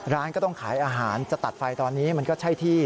ร้านก็ต้องขายอาหารจะตัดไฟตอนนี้มันก็ใช่ที่